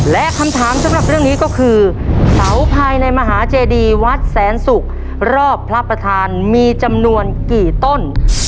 และคำถามสำหรับเรื่องนี้ก็คือเสาภายในมหาเจดีวัดแสนศุกร์รอบพระประธานมีจำนวนกี่ต้น